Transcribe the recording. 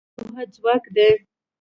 پوهه ځواک دی.